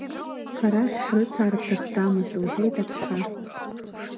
Арахь ҳрыцаар бҭахӡамызт, — лҳәеит аԥҳа.